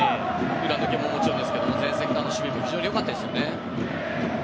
裏抜けももちろんですが前線からの守備も非常に良かったですよね。